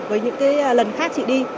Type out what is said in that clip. với những cái lần khác chị đi